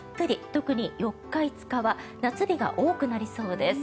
特に４日、５日は夏日が多くなりそうです。